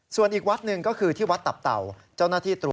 ส่วนอีกวัดหนึ่งก็คือที่วัดตับเต่า